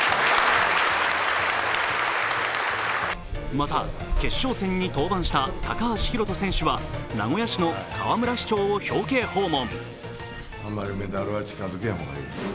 また、決勝戦に登板した高橋宏斗選手は名古屋市の河村市長を表敬訪問。